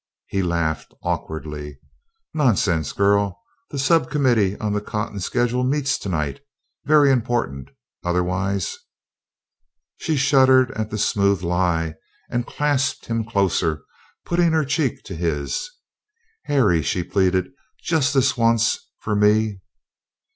He laughed awkwardly. "Nonsense, girl! The sub committee on the cotton schedule meets tonight very important; otherwise " She shuddered at the smooth lie and clasped him closer, putting her cheek to his. "Harry," she pleaded, "just this once for me."